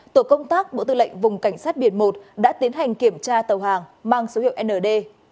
tổ công tác bộ tư lệnh vùng cảnh sát biển một đã tiến hành kiểm tra tàu hàng mang số hiệu nd ba nghìn sáu trăm linh ba